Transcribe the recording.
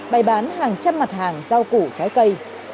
bày bán hàng trăm mặt hàng rau củ trái cây